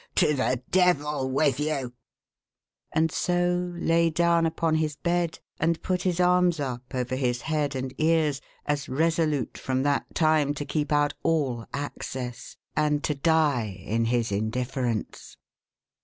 To the Devil with you !" And so lay down upon his bed, and put his arms up, over his head and ears, as resolute from that time to keep out all access, and to die in his indifference.